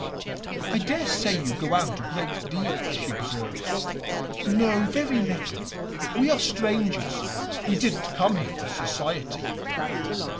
"I daresay you go out a great deal," she observed. "No, very little. We are strangers, and we didn't come here for society."